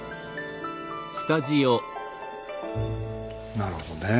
なるほどねえ。